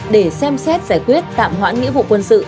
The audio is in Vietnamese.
để xem xét giải quyết tạm hoãn nghĩa vụ quân sự